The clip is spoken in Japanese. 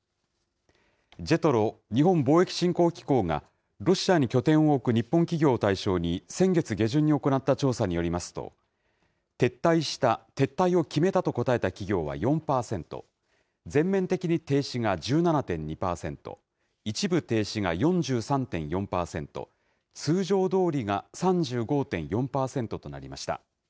ＪＥＴＲＯ・日本貿易振興機構が、ロシアに拠点を置く日本企業を対象に先月下旬に行った調査によりますと、撤退した・撤退を決めたと答えた企業は４％、全面的に停止が１７．２％、一部停止が４３．４％、通常どおりが３５．４％となりました。